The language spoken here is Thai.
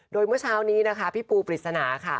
โดยเมื่อเช้านี้นะคะพี่ปูปริศนาค่ะ